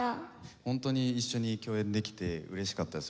ホントに一緒に共演できて嬉しかったです